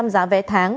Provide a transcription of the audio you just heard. năm mươi giá vé tháng